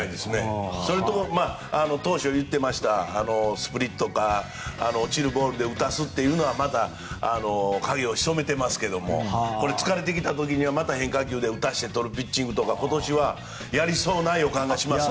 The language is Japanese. それと当初言っていたスプリットとか落ちるボールで打たすというのはまだ影を潜めていますが疲れてきた時にはまた変化球で打たせて取るピッチングとか今年はやりそうな予感がしますね。